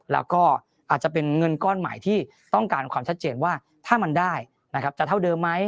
แล้วก็อาจจะเป็นเงินก้อนใหม่ที่ต้องการความชัดเจนว่าถ้ามันได้นะครับจะเท่าเดิมไหม